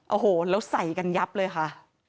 โอ้โหแล้วใส่กันยับเลยค่ะ